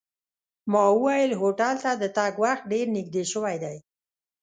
ما وویل هوټل ته د تګ وخت ډېر نږدې شوی دی.